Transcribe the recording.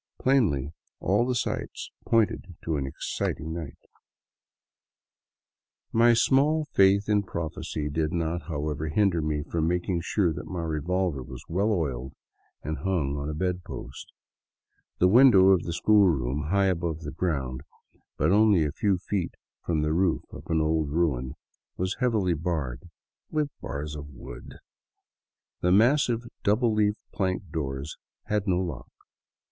Plainly, all the signs pointed to an exciting night. 212 THE WILDS OF NORTHERN PERU My small faith in prophecy did not, however, hinder me from mak ing sure that my revolver was well oiled and hung on a bed post. The; window of the school room, high above the ground, but only a few feet from the roof of an old ruin, was heavily barred — with bars of wood ! The massive double leaf plank doors had no lock.